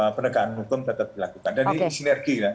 penegakan hukum tetap dilakukan dan ini sinergi ya